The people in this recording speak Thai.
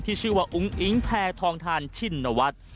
ชื่อว่าอุ้งอิงแพทองทานชินวัฒน์